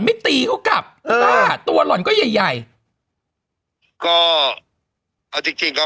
ไม่ตีเขากลับเออตัวหล่อนก็ใหญ่ใหญ่ก็เอาจริงจริงครับ